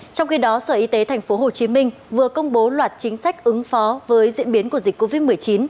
trong khi đó sở y tế tp hcm vừa công bố loạt chính sách ứng phó với diễn biến của dịch covid một mươi chín